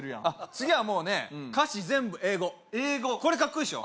次はもうね歌詞全部英語英語かっこいいでしょ？